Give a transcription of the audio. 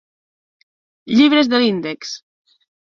Llibres de l’Índex.